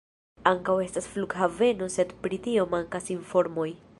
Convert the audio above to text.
Ankaŭ estas flughaveno, sed pri tio mankas informoj.